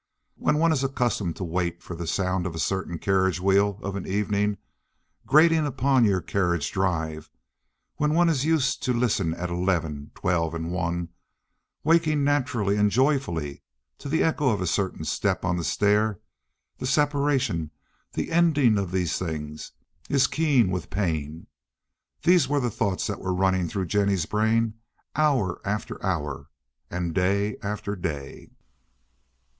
When one is accustomed to wait for the sound of a certain carriage wheel of an evening grating upon your carriage drive, when one is used to listen at eleven, twelve, and one, waking naturally and joyfully to the echo of a certain step on the stair, the separation, the ending of these things, is keen with pain. These were the thoughts that were running through Jennie's brain hour after hour and day after day.